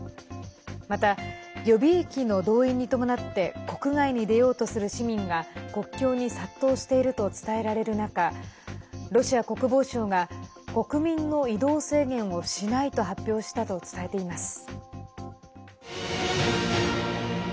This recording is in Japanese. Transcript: また、予備役の動員に伴って国外に出ようとする市民が国境に殺到していると伝えられる中、ロシア国防省が国民の移動制限をしないと発表したと伝えています。